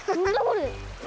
これ。